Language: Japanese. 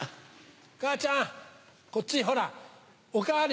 母ちゃんこっちほらお代わり。